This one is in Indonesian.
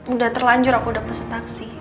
udah terlanjur aku udah pasti taksi